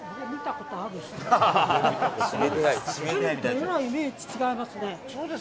えらいイメージ違いますね。